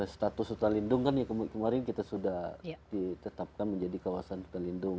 status hutan lindung kan kemarin kita sudah ditetapkan menjadi kawasan hutan lindung